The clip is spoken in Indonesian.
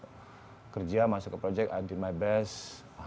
aku kerja masuk ke proyek aku melakukan yang terbaik